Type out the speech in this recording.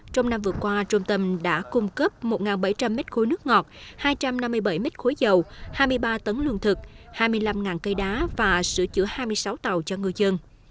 trong năm vừa qua trung tâm đã cung cấp một bảy trăm linh m ba nước ngọt hai trăm năm mươi bảy m ba dầu hai mươi ba tấn lương thực hai mươi năm cây đá và sửa chữa hai mươi sáu tàu cho ngư dân